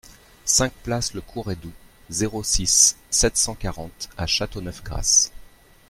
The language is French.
cinq place Le Courredou, zéro six, sept cent quarante à Châteauneuf-Grasse